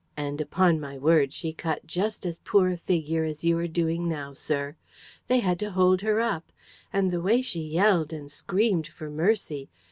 And, upon my word, she cut just as poor a figure as you are doing now, sir. They had to hold her up. And the way she yelled and screamed for mercy!